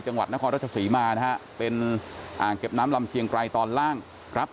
จังหวัดนครราชศรีมานะฮะเป็นอ่างเก็บน้ำลำเชียงไกรตอนล่างครับ